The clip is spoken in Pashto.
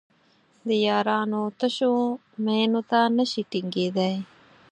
د یارانو تشو مینو ته نشي ټینګېدای.